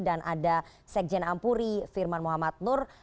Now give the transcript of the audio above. dan ada sekjen ampuri firman muhammad nur